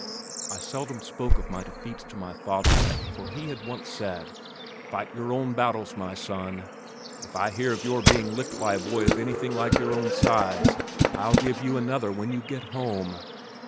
I seldom spoke of my defeats to my father for he had once said, "Fight your own battles, my son. If I hear of your being licked by a boy of anything like your own size, I'll give you another when you get home."